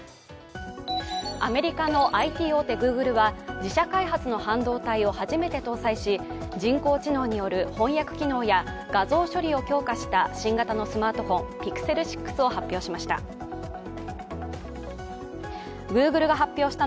アメリカのＩＴ大手グーグルは自社開発の半導体を初めて搭載し人工知能による翻訳機能や画像処理を強化した新型のスマートフォンＰｉｘｅｌ６を発表しました。